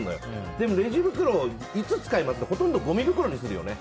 でもレジ袋をいつ使うかってほとんどごみ袋にするよね。